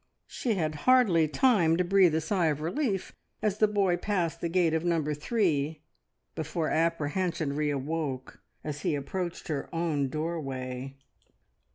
She had hardly time to breathe a sigh of relief as the boy passed the gate of Number Three before apprehension re awoke as he approached her own doorway.